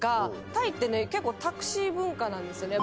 タイってね、結構、タクシー文化なんですよね。